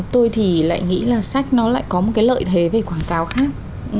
tôi thì lại nghĩ là sách nó lại có một cái lợi thế về quảng cáo khác